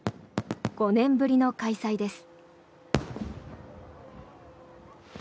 ５年ぶりの開催です。